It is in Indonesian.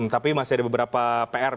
tapi masih ada beberapa pr